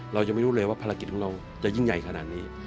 เรายังไม่รู้เลยว่าภารกิจของเราจะยิ่งใหญ่ขนาดนี้